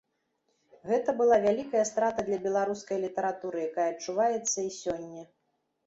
Гэта была вялікая страта для беларускай літаратуры, якая адчуваецца і сёння.